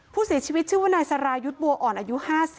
ผู้เสียชีวิตชื่อว่านายสรายุทธ์บัวอ่อนอายุ๕๐